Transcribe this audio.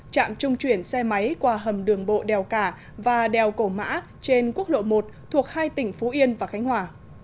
trạm trung chuyển xe máy qua hầm đường bộ đèo cả và đèo cổ mã trên quốc lộ một thuộc hai tỉnh phú yên và khánh hòa